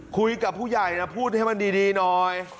คุยกับผู้ใหญ่นะพูดให้มันดีหน่อย